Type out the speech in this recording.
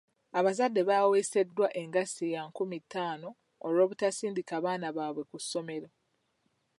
Abazadde baaweeseddwa engassi ya enkumi ttaano olw'obutasindika baana baabwe ku ssomero.